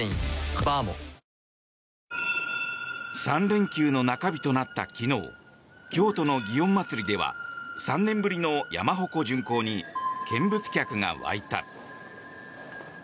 ３連休の中日となった昨日京都の祇園祭では３年ぶりの山鉾巡行に見物客が沸いた。